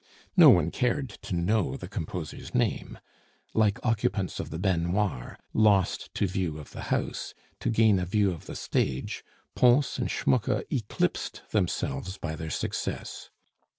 No one cared to know the composer's name; like occupants of the baignoires, lost to view of the house, to gain a view of the stage, Pons and Schmucke eclipsed themselves by their success.